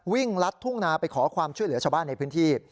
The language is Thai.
ลัดทุ่งนาไปขอความช่วยเหลือชาวบ้านในพื้นที่